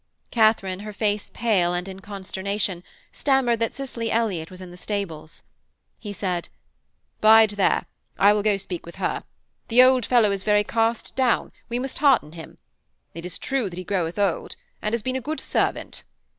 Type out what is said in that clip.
Katharine, her face pale and in consternation, stammered that Cicely Elliott was in the stables. He said: 'Bide there, I will go speak with her. The old fellow is very cast down; we must hearten him. It is true that he groweth old and has been a good servant.'